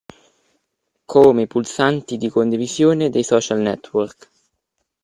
Come i pulsanti di condivisione dei social network.